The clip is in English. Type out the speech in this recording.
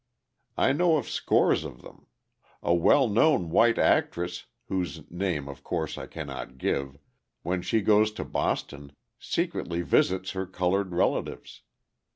I know of scores of them. A well known white actress, whose name, of course, I cannot give, when she goes to Boston, secretly visits her coloured relatives.